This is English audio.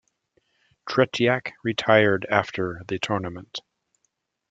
Tretiak retired after the tournament.